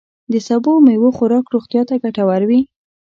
د سبوو او میوو خوراک روغتیا ته ګتور وي.